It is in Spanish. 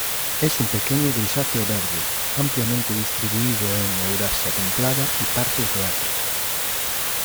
Es un pequeño grisáceo verde, ampliamente distribuido en Eurasia templada y partes de África.